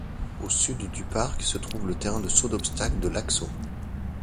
Au sud du parc se trouve le terrain de Saut d'obstacles de Laakso.